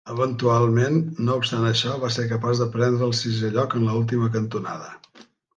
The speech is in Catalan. Eventualment, no obstant això, va ser capaç de prendre el sisè lloc en l'última cantonada.